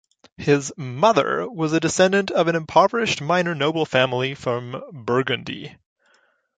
His mother was a descendant of an impoverished minor noble family from Burgundy.